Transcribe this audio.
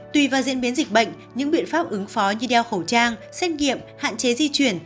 tùy vào diễn biến dịch bệnh những biện pháp ứng phó như đeo khẩu trang xét nghiệm hạn chế di chuyển